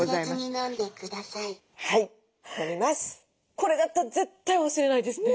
これだったら絶対忘れないですね。